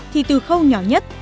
thì từ khâu nhỏ nhất